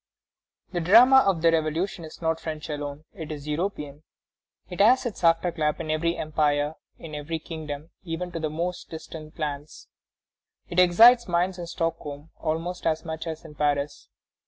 The drama of the Revolution is not French alone; it is European. It has its afterclap in every empire, in every kingdom, even to the most distant lands. It excites minds in Stockholm almost as much as in Paris.